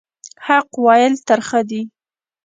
حق ویل ترخه دي